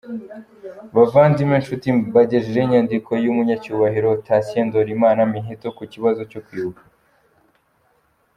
Bavandimwe nshuti mbagejejeho inyandiko y’umunyacyubahiro Tatien Ndolimana Miheto ku kibazo cyo kwibuka.